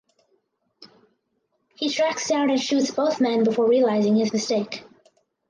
He tracks down and shoots both men before realizing his mistake.